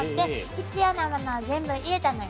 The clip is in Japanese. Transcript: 必要なものは全部入れたのよ。